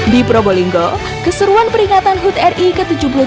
di probolinggo keseruan peringatan hud ri ke tujuh puluh dua